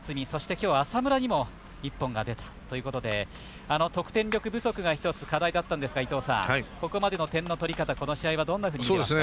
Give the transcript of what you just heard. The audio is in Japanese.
今日、浅村にも一本が出たということで得点力不足が一つ課題だったんですがここまでの点の取り方どう見ていますか？